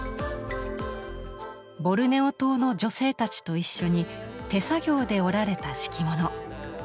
ボルネオ島の女性たちと一緒に手作業で織られた敷物。